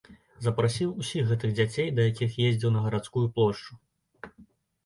Запрасіў усіх гэтых дзяцей, да якіх ездзіў, на гарадскую плошчу.